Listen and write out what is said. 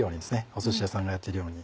おすし屋さんがやっているように。